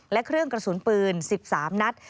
และเครื่องกระสุนปืน๑๓นัด